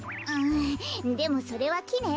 んでもそれはきね。